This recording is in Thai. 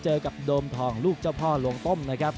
เจอกับโดมทองลูกเจ้าพ่อลวงต้มนะครับ